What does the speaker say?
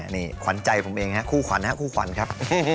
นี่ขวัญใจผมเองครับคู่ขวัญครับ